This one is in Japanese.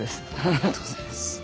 ありがとうございます。